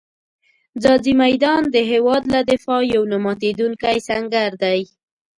ځاځي میدان د هېواد له دفاع یو نه ماتېدونکی سنګر دی.